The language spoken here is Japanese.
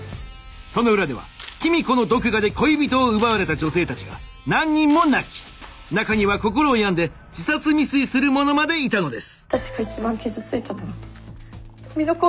その裏では公子の毒牙で恋人を奪われた女性たちが何人も泣き中には心を病んで自殺未遂する者までいたのです」。